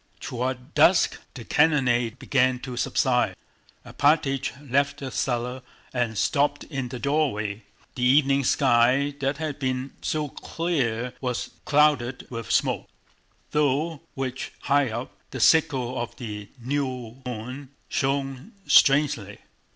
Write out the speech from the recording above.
Toward dusk the cannonade began to subside. Alpátych left the cellar and stopped in the doorway. The evening sky that had been so clear was clouded with smoke, through which, high up, the sickle of the new moon shone strangely.